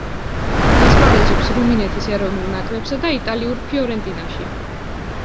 ასპარეზობს რუმინეთის ეროვნულ ნაკრებსა და იტალიურ „ფიორენტინაში“.